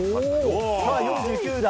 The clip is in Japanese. さあ、４９だ。